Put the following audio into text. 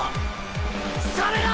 サメだ！